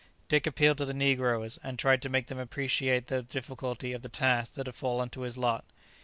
Dick appealed to the negroes, and tried to make them appreciate the difficulty of the task that had fallen to his lot.